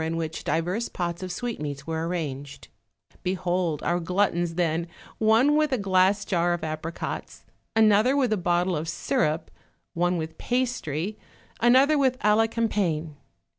195 in which divers pots of sweetmeats were arranged; be hold our gluttons then, one with a glass jar of apricots, another with a bottle of syrup; one with pastry, another with alicampane.